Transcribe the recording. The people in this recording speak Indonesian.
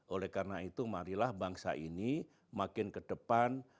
oleh karena itu marilah bangsa ini makin ke depan